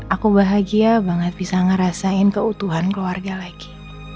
aku bahagia banget bisa ngerasain keutuhan keluarga lagi